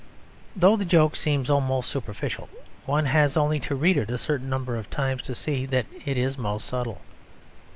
Though the joke seems most superficial one has only to read it a certain number of times to see that it is most subtle.